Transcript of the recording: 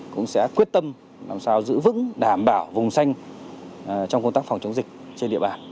cũng sẽ quyết tâm làm sao giữ vững đảm bảo vùng xanh trong công tác phòng chống dịch trên địa bàn